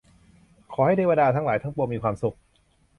ขอให้เทวดาทั้งหลายทั้งปวงมีความสุข